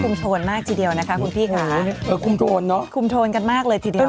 โชนมากทีเดียวนะคะคุณพี่ค่ะเออคุมโทนเนอะคุมโทนกันมากเลยทีเดียว